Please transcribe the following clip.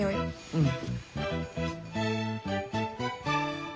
うん。